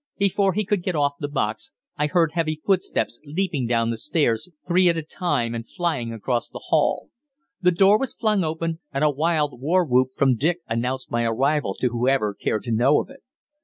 Before he could get off the box I heard heavy footsteps leaping down the stairs three at a time and flying across the hall. The door was flung open, and a wild war whoop from Dick announced my arrival to whoever cared to know of it.